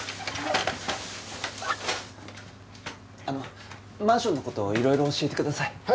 あのマンションの事いろいろ教えてください。